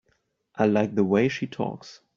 I like the way she talks.